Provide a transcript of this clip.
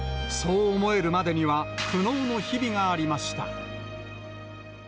そう思えるまでには苦悩の日々がありました。